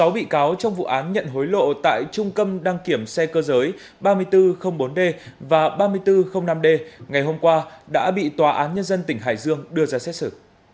sáu bị cáo trong vụ án nhận hối lộ tại trung tâm đăng kiểm xe cơ giới ba nghìn bốn trăm linh bốn d và ba nghìn bốn trăm linh năm d ngày hôm qua đã bị tòa án nhân dân tỉnh hải dương đưa ra xét xử